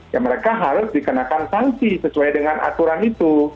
ya mereka harus dikenakan sanksi sesuai dengan aturan itu